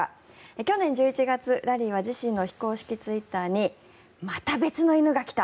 去年１１月、ラリーは自身の非公式ツイッターにまた別の犬が来た！